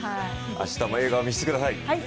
明日も笑顔を見せてください。